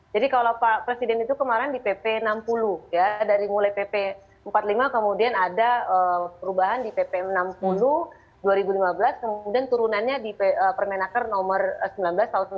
jadi kalau pak presiden itu kemarin di pp enam puluh ya dari mulai pp empat puluh lima kemudian ada perubahan di pp enam puluh dua ribu lima belas kemudian turunannya di permenaker nomor sembilan belas tahun dua ribu lima belas